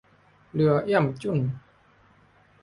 เรือเอี้ยมจุ๊น